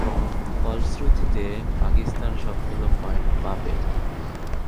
ফলশ্রুতিতে পাকিস্তান সবগুলো পয়েন্ট পাবে।